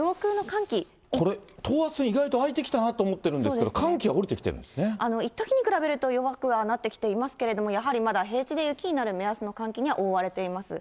これ、等圧線、意外とあいてきたなと思ってるんですけど、いっときに比べると弱くはなってきていますけれども、やはりまだ平地で雪になる目安の寒気には覆われています。